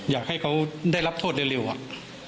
อยากให้เขาได้รับโทษเร็วอะ